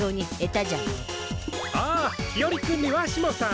ああひよりくんにわしもさん。